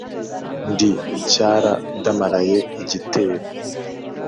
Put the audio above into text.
Ndi Cyaradamaraye igitero